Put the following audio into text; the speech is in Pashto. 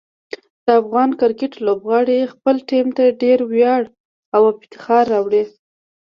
د افغان کرکټ لوبغاړي خپل ټیم ته ډېر ویاړ او افتخار راوړي.